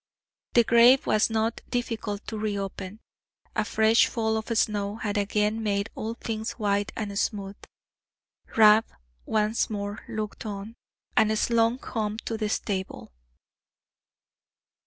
The grave was not difficult to reopen. A fresh fall of snow had again made all things white and smooth; Rab once more looked on, and slunk home to the stable.